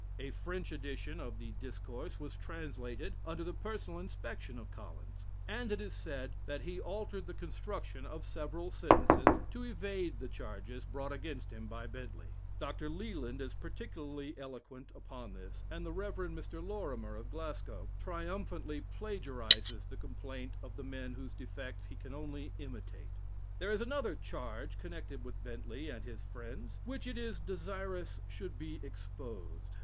A French edition of the "Discourse" was translated under the personal inspection of Collins: and it is said that he altered the construction of several sentences to evade the charges brought against him by Bentley Dr. Leland is particularly eloquent upon this; and the Rev. Mr. Lorimer, of Glasgow, triumphantly plagiarises the complaint of the men whose defects he can only imitate. There is another charge connected with Bentley and his friends, which it is desirous should be exposed.